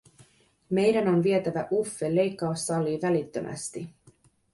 "Meidän on vietävä Uffe leikkaussalii välittömästi!"